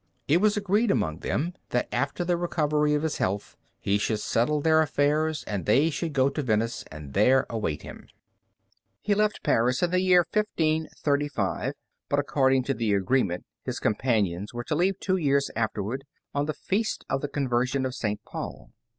It was agreed among them, that after the recovery of his health he should settle their affairs and they should go to Venice, and there await him. He left Paris in the year 1535, but according to the agreement his companions were to leave two years afterward on the feast of the conversion of St. Paul.